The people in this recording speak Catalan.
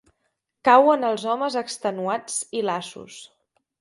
Cauen els homes extenuats i lassos.